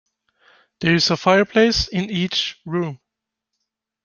There is a fireplace in each room.